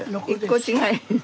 １個違いで。